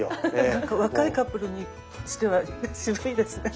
なんか若いカップルにしては渋いですね。